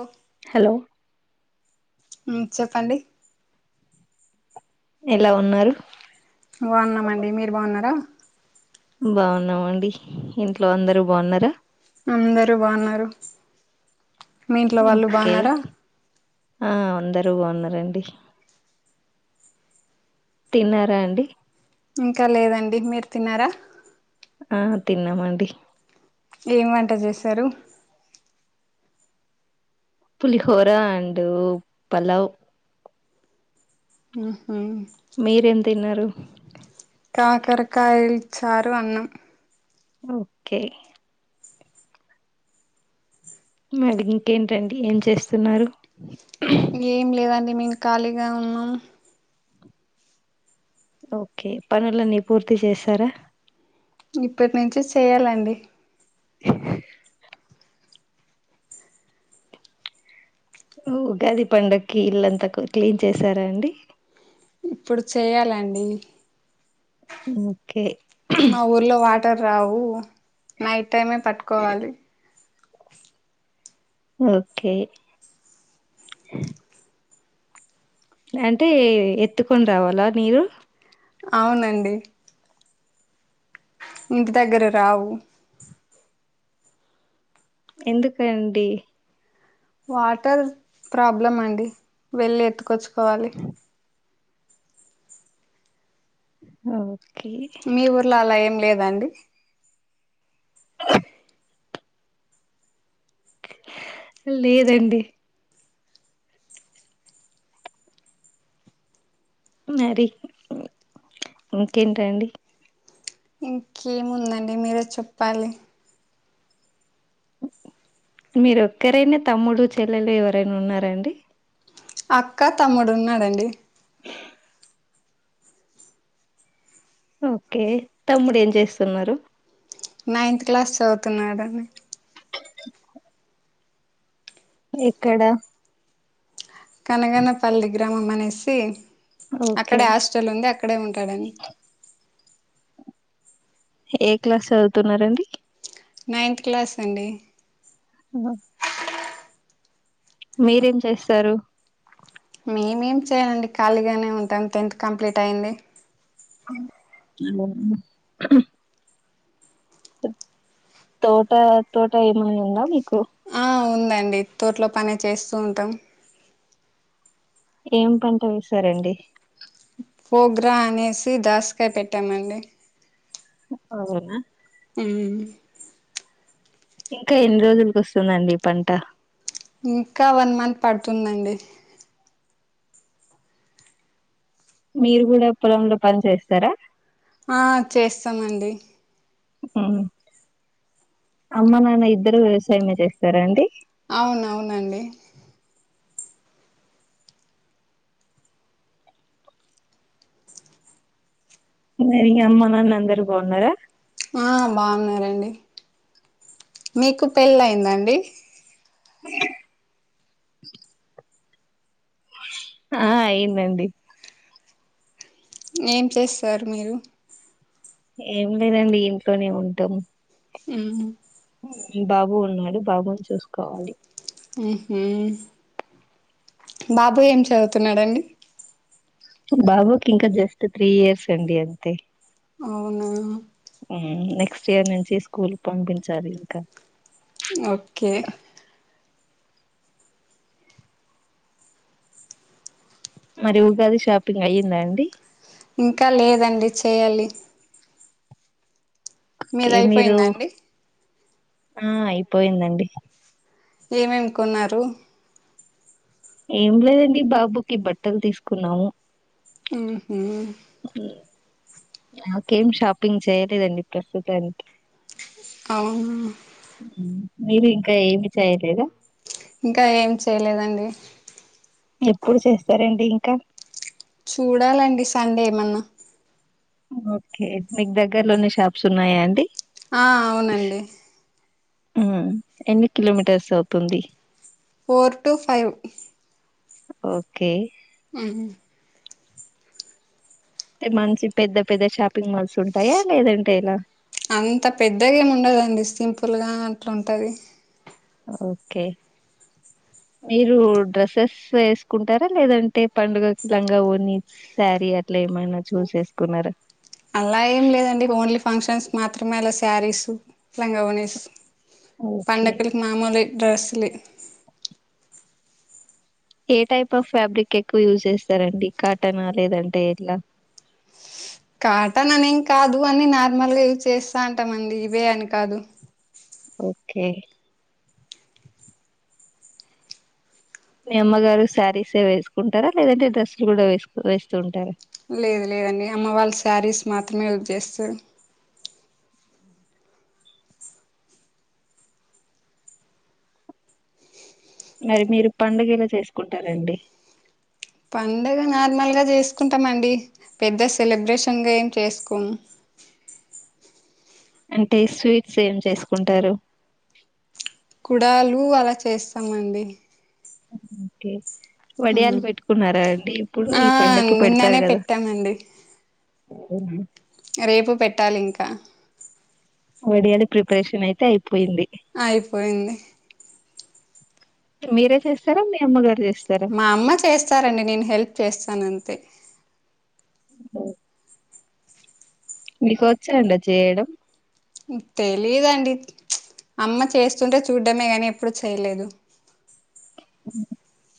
ఓ hello ఉం చెప్పండి ఎలా ఉన్నారు బాగున్నామండి మీరు బాగున్నారా బాగున్నామండి ఇంట్లో అందరు బాగున్నారా అందరూ బాగున్నారు మీ ఇంట్లో వాళ్ళు ఓకే బాగున్నారా ఆ అందరు బాగున్నారండి తిన్నారా అండి ఇంకా లేదండి మీరు తిన్నారా ఆ తిన్నామండి ఏమి వంట చేశారు పులిహోర అండ్ పలవ్ ఉహు మీరేం తిన్నారు కాకరకాయల్ చారు అన్నం ఓకే మరి ఇంకేంటండి ఏం చేస్తున్నారు ఏం లేవం మేము ఖాళీగా ఉన్నాం ఓకే పనులన్నీ పూర్తి చేసారా ఇప్పటి నుంచి చెయ్యాలండి [inaudible] ఉగాది పండక్కి ఇల్లంతా కు క్లీన్ చేసారా అండి ఇప్పుడు చేయాలండి ఓకే మా ఊర్లో వా త రావు నైట్ టైమే పట్టుకోవాలి ఓకే అంటే ఎత్తుకొని రావాలా నీరు అవునండి ఇంటి దగ్గర రావు ఎందుకు అండి వాటర్ ప్రాబ్లం అండి వెళ్ళి ఎత్తుకొచ్చుకోవాలి ఓ మీ ఊర్లో అలా ఏం లేదు ఏవండీ లేదండి మరి ఇంకేంటండి ఇంకేముందండి మీరే చెప్పాలి మీరు ఒక్కరేనా తమ్ముడు చెల్లెలు ఎవరైనా ఉన్నారండి అక్క తమ్ముడు ఉన్నాడండి ఓకే తమ్ముడు ఏం చేస్తున్నారు నైన్త్ క్లాస్ చదువుతున్నాడుని ఎక్కడ కనగనపల్లి గ్రామం అనేసి ఓకే అక్కడే హాస్టల్ ఉంది అక్కడే ఉంటాడండి ఏ క్లాస్ చదువుతున్నారండి నైన్త్ క్లాస్ అండి అ మీరేం చేస్తారు మేమేం చేయమండి ఖాళీగానే ఉంటాము టెన్త్ కంప్లీట్ అయ్యింది [inaudible] తోట తోట ఏమైనా ఉందా మీకు ఆ ఉందండి తోట్లో పనే చేస్తూ ఉంటాం ఏం పంట వేసారండి పోగ్రా అనేసి దాసకాయ పెట్టామండి అవుదేనా ఉమ్ ఇంకా ఎన్ని రోజులక వస్తుందండి ఈ పంట ఇంకా వన్ మంత్ పడుతుందండి మీరు కూడా పొలంలో పని చేస్తారా ఆ చేస్తామండి అమ్మ నాన్న ఇద్దరు వ్యవసాయమే చేస్తారా అండి అవునవునండి అమ్మ నాన్న అందరుూ బాగున్నారా ఆ బాగున్నారండిడి మీకు పెళ్ళి అయిందండి ఆ అయిందండి ఏం చేస్తారు మీరు ఏం లేదండి ఇంట్లోనే ఉంటాం ఉమ్ బాబు ఉన్నాడు బాబుని చూసుకోవాలి మ్మ్ హు బాబు ఏం చదువుతున్నాడండి బాబు కి ఇంకా జస్ట్ త్రీ ఇయర్స్ అండి అంతే అవునా మ్మ్ నెక్స్ట్ ఇయర్ నుంచి స్కూల్ పంపించాలి ఇంకా ఓకే మరి ఉగాది షాపింగ్ అయ్యిందా అండి ఇంకా లేదండి చేయాలి మీద ఏ మీరు అయిపోయింద అండి ఆ అయిపోయిందండి ఏమేమ్ కొన్నారు ఏం లేదండి బాబుకి బట్టలు తీసుకున్నాము మ్మ్ హు నాకేం షాపింగ్ చేయలేదండి ప్రస్తుతానికి అవును మ్మ్. మీరు ఇంకా ఏమి చేయలేదా ఇంకా ఏం చేయలేదండి ఎప్పుడు చేస్తారండి ఇంకా చూడాలండి సండే ఏమన్నా ఓకే మీకు దగ్గరలోని షాప్స్ ఉన్నాయా అండి ఆ అవునండి మ్మ్ ఎన్ని కిలోమీటర్స్ అవుతుంది ఫోర్ టు ఫైవ్ ఓకే ఉమ్ అంతే మంచ్ పెద్ద పెద్ద షాపింగ్ మాల్స్ ఉంటాయా లేదంటే ఎలా అంత పెద్దగా ఏమి ఉండదండి సింపుల్గా అట్లాంటుంది ఓకే మీరు డ్రెస్సెస్ వేసుకుంటారా లేదంటే పండుకు లంగా ఓనీ శారీ అట్లా ఏమైనా చూస్ వేసుకున్నారా అలా ఏం లేదండి ఓన్లీ ఫంక్షన్స్ మాత్రమే అలా శారీస్ లంగా ఓనిస్ ఓకే. పండకలకు మామూలే డ్రెస్స్లే ఏ టైప్ ఆఫ్ ఫ్యాబ్రిక్ ఎక్కువ యూజ్ చేస్తారండి కాటన్ ఆ లేదంటే ఎట్లా కాటన్ అనేం కాదు అని నార్మల్గా యూజ్ చేస్తా చేస్తాంటామండి ఇవే అని కాదు ఓకే మీ అమ్మగారు శారీసే వేసుకుంటారా లేదంటే డ్రెస్లు గూడా వేసుక్ వేస్తుంటారా లేదు లేదండి అమ్మ వాళ్ళ శారీస్ మాత్రమే యుజ్ జెస్సరు మరి మీరు పండుగెల చేసుకుంటారండి పడుగ నార్మల్గా చేసుకుంటామండి పెద్ద సెలబ్రేషన్గా ఏం చేసుకోము అంటే స్వీట్స్ ఏం చేసుకుంటారు కుడాలు అలా చేస్తామండి మ్మ్ కే వడియాలు మ్మ్. పెట్టుకున్నారా అండి ఇప్పుడు ఆ ఈ పండక్కి పెడతారు నిన్ననే గదా పెట్టామండి అవునా రేపు పెట్టాలి ఇంకా వడియాలు ప్రిపరేషన్ అయితే అయిపోయింది అయిపోయింది మీరే చేస్తారా మీ అమ్మగారు చేస్తారు మా అమ్మ చేస్తారంండి నేను హెల్ప్ చేస్తాన్ అంతే ఓ మీకొచ్చాండ్ చేయడం ఉ తెలిదండి అమ్మ చేస్తుంటే చూడ్డమే గానీ ఎప్పుడు చేయలేదు అ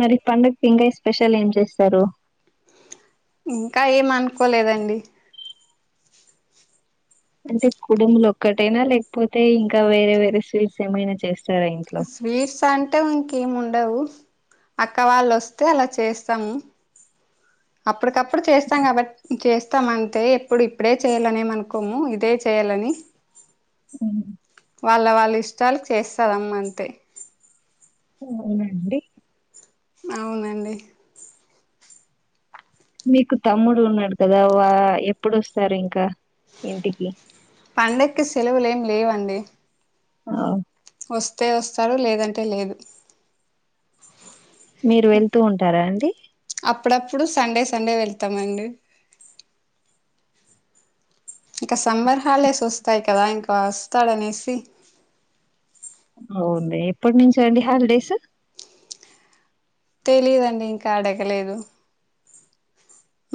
మరి పండుగ ఇంగయ్ స్పెషల్ ఏం చేస్తారు ఇంకా ఏం అనుకోలేదండి అంటే కుడుములు ఒక్కటైనా లేకపోతే ఇంకా వేరే వేరే స్వీట్స్ ఏమైనా చేస్ స్వీట్స్ అన్ టే ఇంకేముండవు. అక్క వాళ్ళు వస్తే అలా చేస్తాము అప్పడ్కప్పుడు చేస్తాం కాబట్ చేస్తామ అంతే. ఎప్పుడు ఇప్పుడే చేయాలనేమ అనుకోము ఇదే చేయాలని [inaudible] వాళ్ళ వాళ్ళ ఇష్టాలుక్ చేస్తాదమ్మ అంతే ఊ ఊనండి అవునండి మీకు తమ్ముడు ఉన్నాడు కదా వా ఎప్పుడోస్తారు ఇంకా ఇంటికి పండకి సలవులేం లేవ అండి అవు వస్తే వస్తారు లేదంటే లేదు మీరు వెళ్తూ ఉంటారా అండి పడప్పుడు సండే సండే వెళ్తామండి ఇక సమ్మర్ హాల్డేస్ వస్తాయి కదా ఇంకా వస్తాడనేసి అవుంది ఎప్పట్నించి అండి హాల్డేస్ తెలిదండి ఇంకా అడగలేదు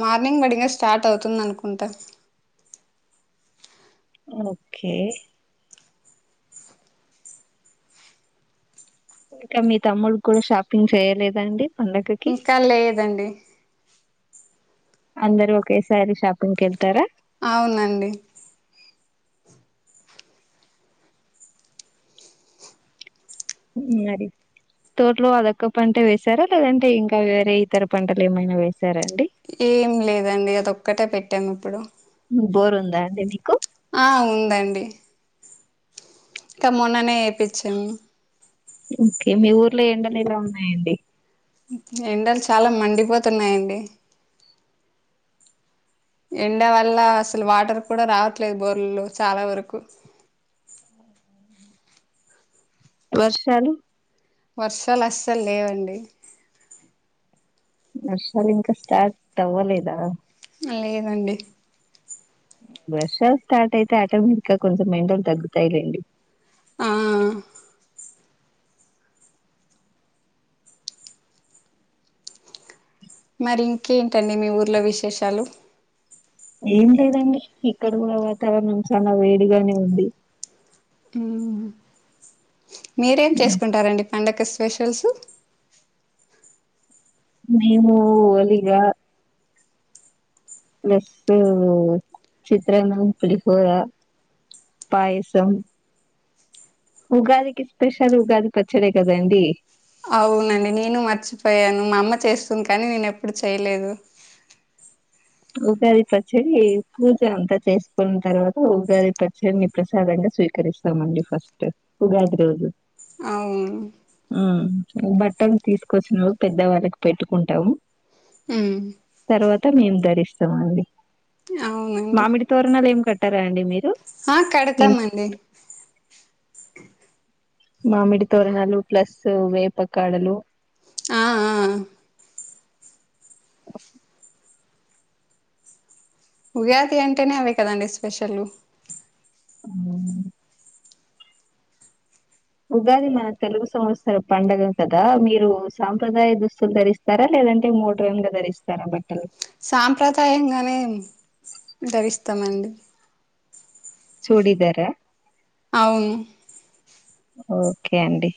మార్నింగ్ బాడిగా స్టార్ట్ అవుతుంది. అనుకుంటా ఓకే ఇంకా మీ తమ్ముడి కూడా షాపింగ్ చేయలేదండి పండగకి ఇంకా లేదండి అందరు ఒకేసారి షాపింగ్ కెల్తారా అవునండి. మరి తోటలో అదొక పంట వేసారా. లేదంటే ఇంకా వేరే ఇతర పంటలు ఏమైనా వేస్ ఏం లేదండి. అది ఒక్కటే పెట్టాము ఇప్పుడు బోర్ ఉందా అండి మీకు ఆ ఉందండి ఇంకా మొన్ననే వేపిచ్చాము. ఓకే మీ ఊర్లో ఎండలు ఏలా ఉన్నాయండి. ఎండలు చాలా మండిపోతున్నాయండి. ఎండ వల్ల అసలు వాటర్ కూడా రావట్లేదు. బోర్ల్లో చాలా వరకు వర్షాలు వర్షాలు అస్సలు లేవండి. వర్షాలు ఇంకా స్టార్ట్ అవ్వలేదా లేదండి వర్షాల్ స్టార్టైతే ఆటోమేటిక్గా కొంచెం ఎండల్ తగ్గుతాయిలేండి ఆ మరి ఇంకేంటండి మీ ఊర్లో విశేషాలు ఏం లేదండి. ఇక్కడ కూడా వాతావరణం చాలా వేడిగానే ఉంది. మీరేం చేసుకుంటారండి పండగకు స్పే స్పేషల్స్ మేము అలిగ ప్లస్ చిత్రన్నాం పులిహోర పయసం ఉగాదికి స్పెషల్ ఉగాది పచ్చడి కదండి. అవునండి. నేను మర్చిపోయాను మా అమ్మ చేస్తుంది. కానీ నేను ఎప్పుడు చేయలేదు ఉగాది పచ్చడి పూజ అంతా చేసుకున్న తర్వాత ఉగాది పచ్చడిని ప్రసాదంగా స్వీకరిస్తామండి. ఫస్ట్ ఉగాది రోజు అవున్ బట్టలు తీసుకొచ్చినం. పెద్ద వాళ్ళకి పెట్టుకుంటాము. హ్ తర్వాత మేం ద స్తామండి అవునండి మామిడి తోరణాలు ఎమ్ కట్టారూ అండి. మీరు ఆ ఇన్- కడతామండి. మామిడి తోరణాలు ప్లస్ వేప కాడలు ఆ ఆ ఉగాది అంటేనే అవే కదండి స్పెషల్ ఉగాది మన తెలుగు సంవత్సర పండుగ కదా మీరు సాంప్రదాయ దుస్తులు ధరిస్తారా లేదంటే మోడ్రన్ గా ధరిస్తారా బట్టలు సాంప్రదాయంగానే దరిస్తామండి. చూడి దారా అవును ఓకే అండి